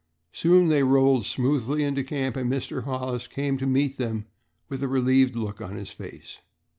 Soon they rolled smoothly into camp, and Mr. Hollis came to meet them with a relieved look on his face.